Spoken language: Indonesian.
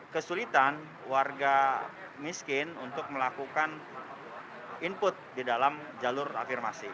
kesulitan warga miskin untuk melakukan input di dalam jalur afirmasi